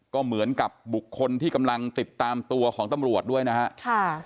ก็เหมือนกับบุคคลที่กำลังติดตามตัวของตำรวจด้วยนะครับ